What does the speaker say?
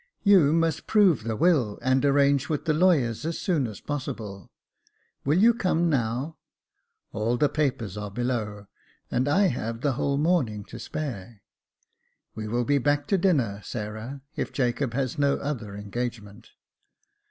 You must prove the will, and arrange with the lawyers as soon as possible. Will you come now ? All the papers are below, and I have the whole morning to spare. We will be back to dinner, Sarah, if Jacob has no other engagement."